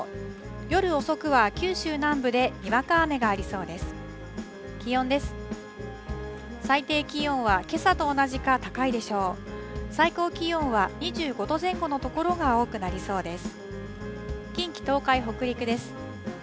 夜遅くは九州南部でにわか雨がありそうです。